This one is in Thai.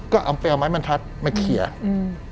ก็เอาไม้บรรทัดมาเคียบ